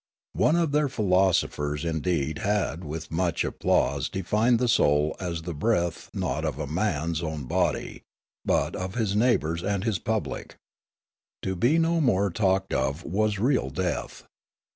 One of their philosophers indeed had with much ap plause defined the soul as the breath not of a man's own body, but of his neighbours and his public. To be no more talked of was real death.